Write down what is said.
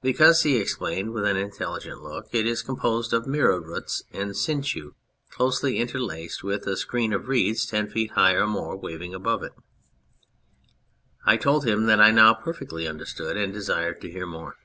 "Because," he explained, with an intelligent look, " it is composed of mera roots and sinchu closely interlaced, with a screen of reeds ten feet high or more waving above it." I told him that I now perfectly understood and desired to hear more.